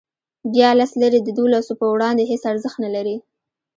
بیا لس لیرې د دولسو په وړاندې هېڅ ارزښت نه لري.